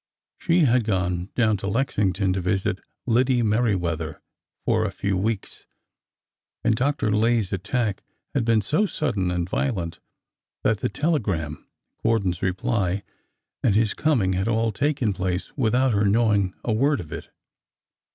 She had gone down to Lexington to visit Lide Merriweather for a few weeks, and Dr. Lay's attack had been so sudden and violent that the telegram, Gordon's reply, and his coming had all taken place without her knowing a word of it.